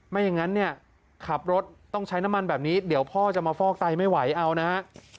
อย่างนั้นเนี่ยขับรถต้องใช้น้ำมันแบบนี้เดี๋ยวพ่อจะมาฟอกไตไม่ไหวเอานะฮะ